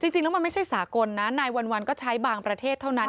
จริงแล้วมันไม่ใช่สากลนะนายวันก็ใช้บางประเทศเท่านั้น